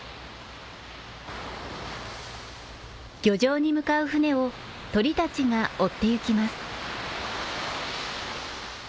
漁場に向かう船を鳥たちが追って行きます。